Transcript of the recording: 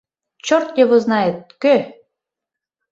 — Чорт его знает, кӧ...